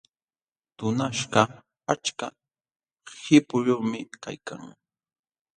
Tunaśhkaq achka qipuyuqmi kaykan.